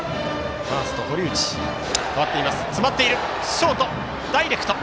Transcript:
ショートダイレクト。